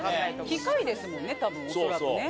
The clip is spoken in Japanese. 機械ですもんね多分恐らくね。